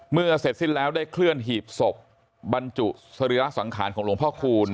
เสร็จสิ้นแล้วได้เคลื่อนหีบศพบรรจุสรีระสังขารของหลวงพ่อคูณ